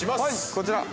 ◆こちら。